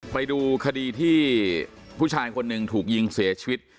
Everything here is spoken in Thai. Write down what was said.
ไปดูคดีที่ผู้ชายคนหนึ่งถูกยิงเสียชีวิต